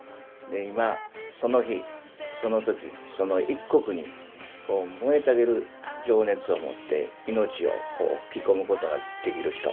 今その日その時その一刻にこう燃えたぎる情熱を持って命を吹き込むことができる人。